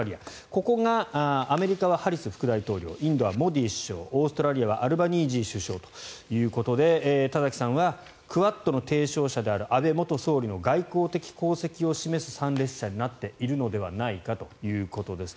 ここがアメリカはハリス副大統領インドはモディ首相オーストラリアはアルバニージー首相ということで田崎さんはクアッドの提唱者である安倍元総理の外交的功績を示す参列者になっているのではないかということです。